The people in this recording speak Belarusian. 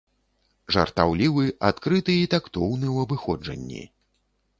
Жартаўлівы, адкрыты і тактоўны у абыходжанні.